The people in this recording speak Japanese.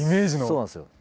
そうなんですよ。